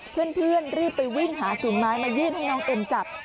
เพื่อนรีบไปวิ่งหากิ่งไม้มายื่นให้น้องเอ็มจับ